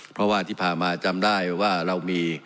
เพราะว่าที่ผ่านมาจำได้ว่าเรามี